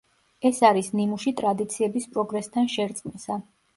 ეს არის ნიმუში ტრადიციების პროგრესთან შერწყმისა.